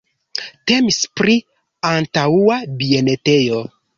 Temis pri antaŭa bienetejo.